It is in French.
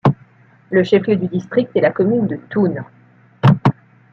Le chef-lieu du district est la commune de Thoune.